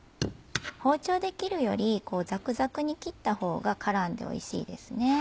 包丁で切るよりザクザクに切った方が絡んでおいしいですね。